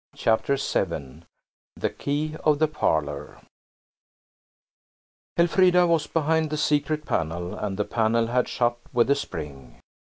CHAPTER VII THE KEY OF THE PARLOUR ELFRIDA was behind the secret panel, and the panel had shut with a spring.